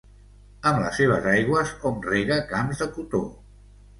Amb les seves aigües hom rega camps de cotó.